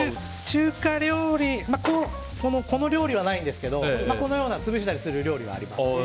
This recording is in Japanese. この料理はないんですけどこのような潰したりする料理はあります。